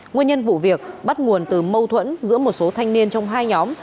nguyên nhân vụ việc bắt nguồn từ mâu thuẫn giữa một số thanh niên trong hai nhóm